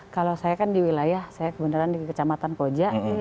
kalau saya kan di wilayah saya kebenaran di kecamatan koja